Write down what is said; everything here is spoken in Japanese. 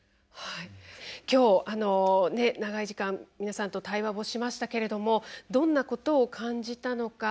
今日、長い時間皆さんと対話をしましたけれどもどんなことを感じたのか。